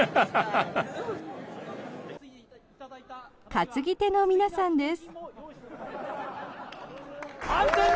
担ぎ手の皆さんです。